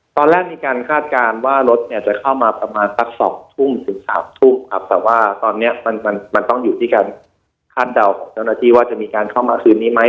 ตอนแรกมีการคาดการณ์ว่ารถเนี่ยจะเข้ามาประมาณสักสองทุ่มถึงสามทุ่มครับแต่ว่าตอนเนี้ยมันมันต้องอยู่ที่การคาดเดาของเจ้าหน้าที่ว่าจะมีการเข้ามาคืนนี้ไหม